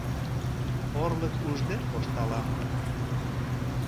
Орлык ужде кошталам.